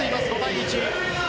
５対１。